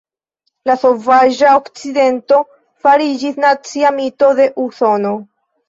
La "sovaĝa okcidento" fariĝis nacia mito de Usono.